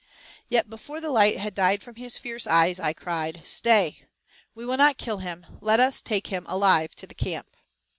Yet before the light had died from his fierce eyes, I cried, "Stay, we will not kill him; let us take him alive to the camp."